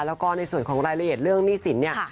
แล้วก็ในส่วนของรายละเอียดเรื่องหนี้สินเนี่ย